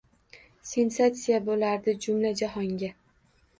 Sensatsiya bo’lardi jumla-jahonga